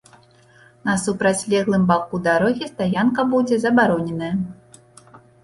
На супрацьлеглым баку дарогі стаянка будзе забароненая.